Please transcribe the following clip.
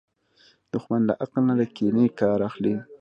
دښمن له عقل نه، له کینې نه کار اخلي